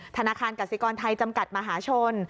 ธนาคารกสิกรไทยจำกัดมหาชน